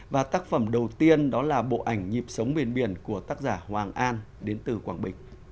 và tác phẩm đầu tiên đó là bộ ảnh nhịp sống bền biển của tác giả hoàng an đến từ quảng bình